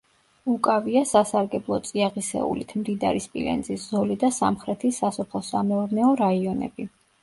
უკავია სასარგებლო წიაღისეულით მდიდარი სპილენძის ზოლი და სამხრეთის სასოფლო-სამეურნეო რაიონები.